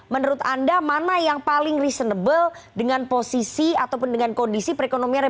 menurut anda mana yang paling reasonable dengan posisi ataupun dengan kondisi perekonomian